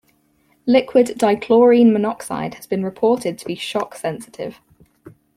Liquid dichlorine monoxide has been reported to be shock-sensitive.